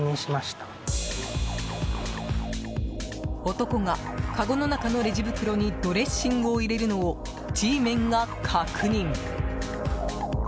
男が、かごの中のレジ袋にドレッシングを入れるのをＧメンが確認。